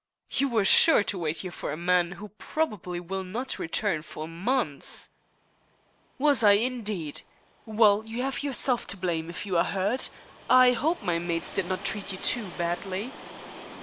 "You were sure to wait here for a man who probably will not return for months." "Was I, indeed? Well, you have yourself to blame if you are hurt. I hope my mates did not treat you too badly?"